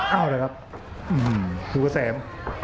เอาละครับศุกษาแสม